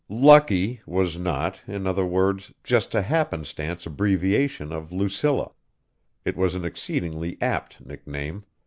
"Lucky" was not, in other words, just a happenstance abbreviation of "Lucilla" it was an exceedingly apt nickname.